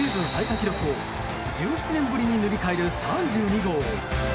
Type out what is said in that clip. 記録を１７年ぶりに塗り替える３２号。